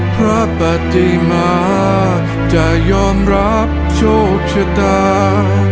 ปฏิมาจะยอมรับโชคชะตา